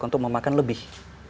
untuk memakan lebih